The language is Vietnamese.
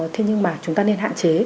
thế nhưng mà chúng ta nên hạn chế